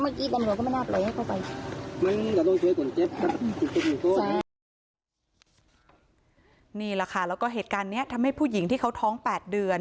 นี่แหละค่ะแล้วก็เหตุการณ์นี้ทำให้ผู้หญิงที่เขาท้อง๘เดือน